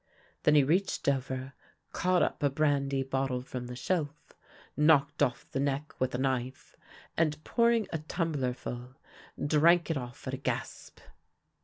Then he reached over, caught up a brandy bottle from the shelf, knocked of¥ the neck with a knife, and, pouring a tumblerful, drank it ofif at a gasp.